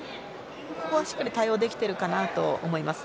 ここは対応できてるかなと思います。